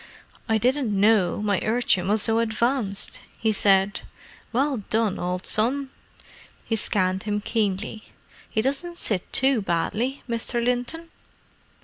"I didn't know my urchin was so advanced," he said. "Well done, old son!" He scanned him keenly. "He doesn't sit too badly, Mr. Linton."